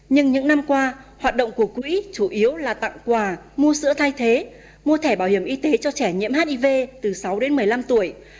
nhưng những năm qua hoạt động của quỹ chủ yếu là tặng quà mua sữa thay thế mua thẻ bảo hiểm y tế cho trẻ nhiễm hiv từ sáu đến một mươi năm tuổi